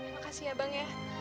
makasih ya bang